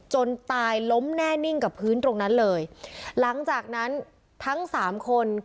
จนตายล้มแน่นิ่งกับพื้นตรงนั้นเลยหลังจากนั้นทั้งสามคน